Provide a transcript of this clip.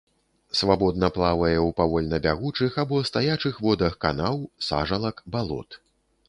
Свабодна плавае ў павольна бягучых або стаячых водах канаў, сажалак, балот.